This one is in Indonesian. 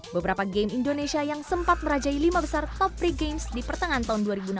beberapa game indonesia yang sempat merajai lima besar top tiga games di pertengahan tahun dua ribu enam belas